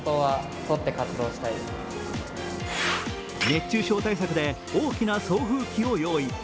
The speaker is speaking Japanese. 熱中症対策で大きな送風機を用意。